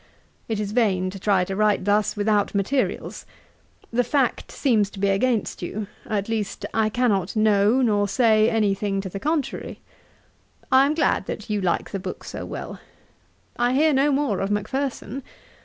It is vain to try to write thus without materials. The fact seems to be against you; at least I cannot know nor say any thing to the contrary. I am glad that you like the book so well. I hear no more of Macpherson.